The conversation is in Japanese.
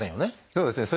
そうですね。